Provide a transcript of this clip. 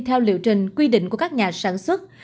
theo liệu trình quy định của các nhà sản xuất